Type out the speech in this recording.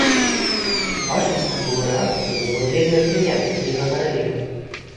Бачыць такую рэакцыю было вельмі прыемна і ганарліва.